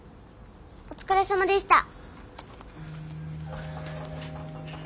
お疲れさまでした。